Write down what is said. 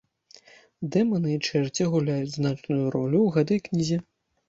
Дэманы і чэрці гуляюць значную ролю ў гэтай кнізе.